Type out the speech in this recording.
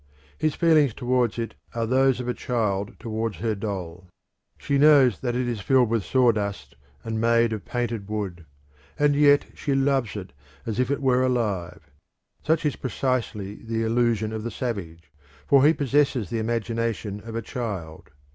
His feelings towards it are those of a child towards her doll. She knows that it is filled with sawdust and made of painted wood, and yet she loves it as if it were alive. Such is precisely the illusion of the savage, for he possesses the imagination of a child.